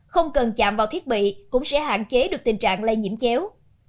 không cần chạm vào thiết bị cũng sẽ hạn chế được tình trạng lây nhiễm chéo